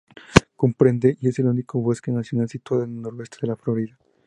Comprende y es el único bosque nacional situado en el noroeste de la Florida.